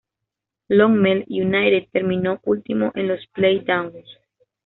Lommel United terminó último en los play-downs.